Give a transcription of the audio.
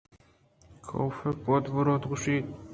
کاف ءَ بد بُرت ءُ گوٛشت